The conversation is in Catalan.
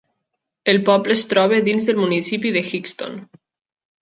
El poble es troba dins del municipi de Hixton.